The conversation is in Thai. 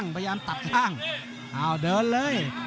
ประหย่านตัดท่างอ๋าเดินเลย